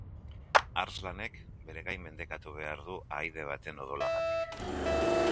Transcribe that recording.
Arslanek bere gain mendekatu behar du ahaide baten odolagatik.